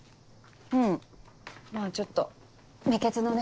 うんまぁちょっと未決のね。